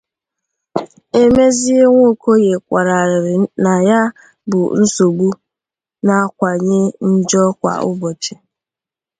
Emezie Nwokoye kwàrà arịrị na ya bụ nsogbu na-akawanye njọ kwa ụbọchị